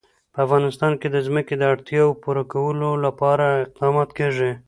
په افغانستان کې د ځمکه د اړتیاوو پوره کولو لپاره اقدامات کېږي.